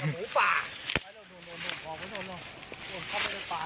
ดูดูดูหมู่ป่า